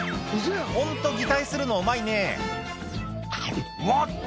ホント擬態するのうまいねうわっと！